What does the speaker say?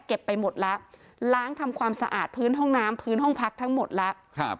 ไปหมดแล้วล้างทำความสะอาดพื้นห้องน้ำพื้นห้องพักทั้งหมดแล้วครับ